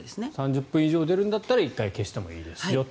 ３０分以上出るなら１回消してもいいですよ。